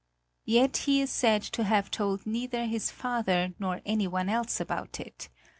Yet he is said to have told neither his father nor anyone else about it.